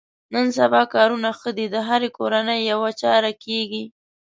نن سبا کارونه ښه دي د هرې کورنۍ یوه چاره کېږي.